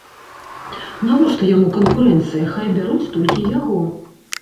Навошта яму канкурэнцыя, хай бяруць толькі яго.